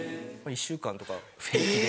１週間とか平気で。